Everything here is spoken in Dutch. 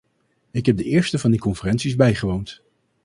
Ik heb de eerste van die conferenties bijgewoond.